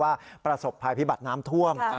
ประสบภัยพิบัติน้ำท่วม